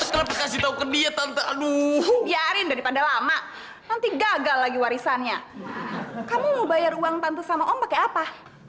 kasih tahu ke dia tante aduh biarin daripada lama nanti gagal lagi warisannya kamu mau bayar uang tante sama om pakai apa